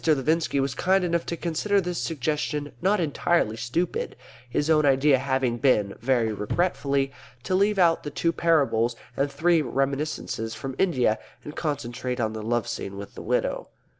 Levinski was kind enough to consider this suggestion not entirely stupid; his own idea having been (very regretfully) to leave out the two parables and three reminiscences from India, and concentrate on the love scene with the widow.